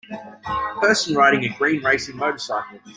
Person riding a green racing motorcycle.